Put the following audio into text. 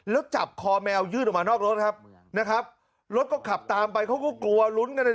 แล้วจับคอแมวยื่นออกมานอกรถครับนะครับรถก็ขับตามไปเขาก็กลัวลุ้นกัน